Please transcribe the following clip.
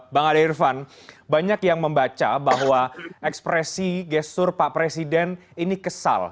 bang ade irfan banyak yang membaca bahwa ekspresi gestur pak presiden ini kesal